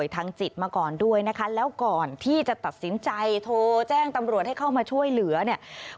ทางจิตมาก่อนด้วยนะคะแล้วก่อนที่จะตัดสินใจโทรแจ้งตำรวจให้เข้ามาช่วยเหลือเนี่ย